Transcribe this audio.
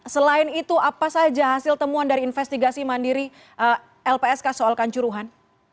selain itu apa saja hasil temuan dari investigasi mandiri lpsk soal kanjuruhan